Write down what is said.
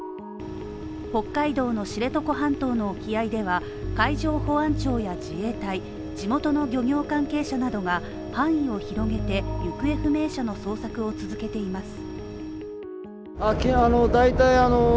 北海道の知床半島の沖合では、海上保安庁や自衛隊地元の漁業関係者などが範囲を広げて行方不明者の捜索を続けています。